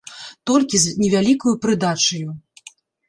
Толькі з невялікаю прыдачаю.